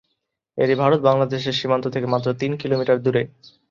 এটি ভারত-বাংলাদেশ সীমান্ত থেকে মাত্র তিন কিলোমিটার দূরে।